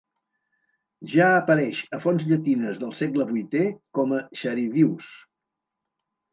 Ja apareix a fonts llatines del segle VIII com a Charivius.